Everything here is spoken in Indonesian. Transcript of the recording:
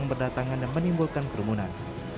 berdatangan dan menimbulkan kerumunan